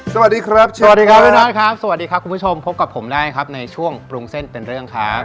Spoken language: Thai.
สวัสดีครับเชฟฟังนะครับคุณผู้ชมพบกับผมได้ครับในช่วงปรุงเส้นเป็นเรื่องครับ